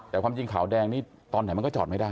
แต่ความจริงขาวแดงนี่ตอนไหนมันก็จอดไม่ได้